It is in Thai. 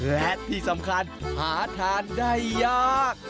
และที่สำคัญหาทานได้ยาก